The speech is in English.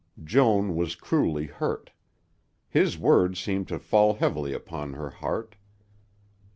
Joan was cruelly hurt. His words seemed to fall heavily upon her heart.